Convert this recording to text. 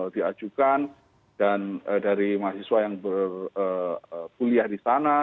diajukan dan dari mahasiswa yang berkuliah di sana